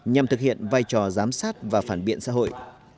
nhằm thực hiện vai trò giám sát và phản biện xã hội